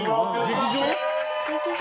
劇場。